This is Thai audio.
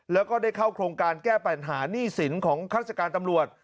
แล้วก็ได้เข้าโครงการแก้ปัญหาหนี้สินของข้าราชการตำรวจ